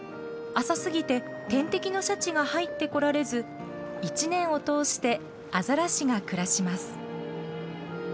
浅すぎて天敵のシャチが入ってこられず一年を通してアザラシが暮らします。